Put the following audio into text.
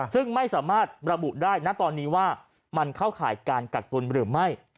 ซึ่งไม่สามารถระบุได้นะตอนนี้ว่ามันเข้าข่ายการกักตุลหรือไม่